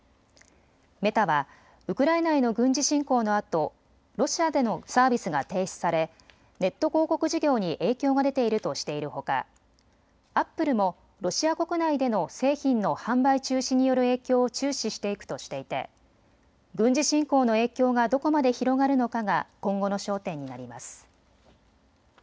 メタはウクライナへの軍事侵攻のあと、ロシアでのサービスが停止されネット広告事業に影響が出ているとしているほかアップルもロシア国内での製品の販売中止による影響を注視していくとしていて軍事侵攻の影響がどこまで広がるのかが今後の焦点になります。